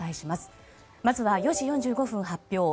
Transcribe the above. まずは４時４５分発表